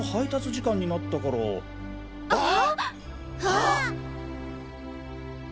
あっ！